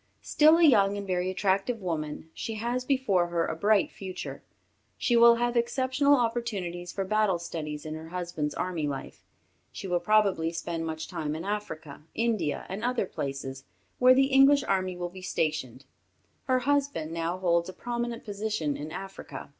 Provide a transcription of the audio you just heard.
Still a young and very attractive woman, she has before her a bright future. She will have exceptional opportunities for battle studies in her husband's army life. She will probably spend much time in Africa, India, and other places where the English army will be stationed. Her husband now holds a prominent position in Africa.